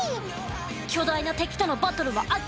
巨大な敵とのバトルは圧巻！